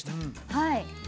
はい